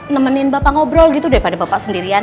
nemenin bapak ngobrol gitu daripada bapak sendirian